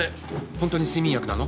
本当に睡眠薬なの？